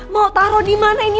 mau taro dimana ini